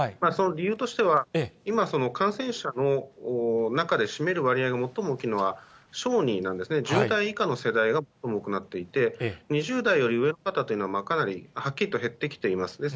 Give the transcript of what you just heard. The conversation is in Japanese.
その理由としては、今、感染者の中で占める割合が最も大きいのは、小児なんですね、１０代以下の世代が多くなっていて、２０代より上の方というのは、かなりはっきりと減ってきています。